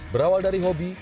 berawal dari hobi